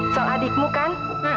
soal adikmu kan